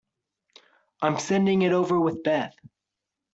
I'm sending it over with Beth.